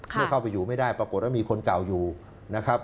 เข้าไปอยู่ไม่ได้ปรากฏว่ามีคนเก่าอยู่นะครับ